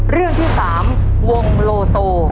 เรื่องที่๓วงโลโซ